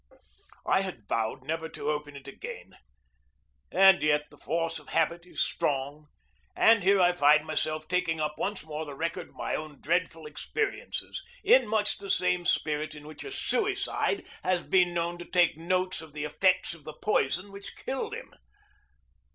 I had vowed never to open it again. And yet the force of habit is strong, and here I find myself taking up once more the record of my own dreadful experiences in much the same spirit in which a suicide has been known to take notes of the effects of the poison which killed him.